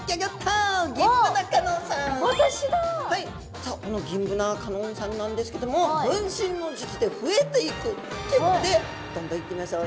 さあこのギンブナ香音さんなんですけども分身の術で増えていくということでどんどんいってみましょう。